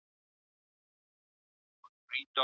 لاجورد عصري نه دي کشف سوي.